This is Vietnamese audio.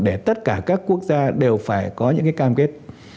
để tất cả các quốc gia đều phải có những cái cam kết